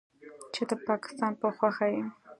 چې د پکستان په خوښه یې